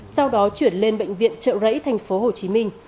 sau đó chuyển lên bệnh viện trợ rẫy thành phố hồ chí minh